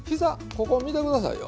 ここ見てくださいよ。